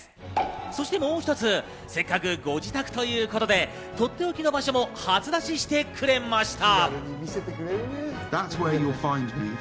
そしてもう一つ、せっかくご自宅ということでとっておきの場所も初出ししてくれました。